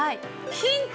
ヒント。